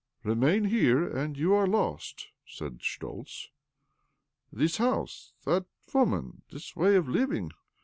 " Remain here, and you are lost," said Schtoltz. " This house, that wom^n, this way of living